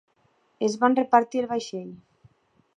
Es van repartir el vaixell.